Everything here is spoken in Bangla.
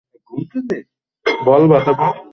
সোফার উপরে সুনেত্রাকে বসালেম আমার পাশে।